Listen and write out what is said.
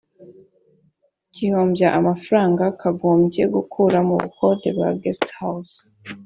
kihombya amafaranga kagombye gukura mu bukode bwa guest house